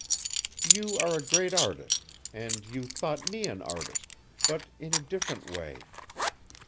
You are a great artist, and you thought me an artist but in a different way?